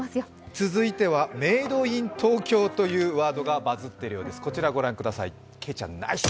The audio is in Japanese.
続いてメイドイン東京というワードがバズっているようです。